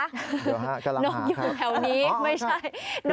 เดี๋ยวฮะกำลังหาครับนกอยู่แถวนี้ไม่ใช่